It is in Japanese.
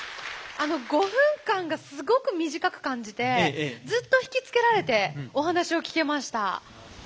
５分間がすごく短く感じてずっと引きつけられてお話を聞けました。